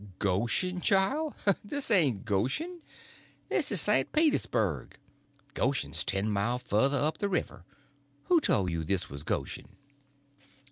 "Goshen, child? This ain't Goshen. This is St. Petersburg. Goshen's ten mile further up the river. Who told you this was Goshen?"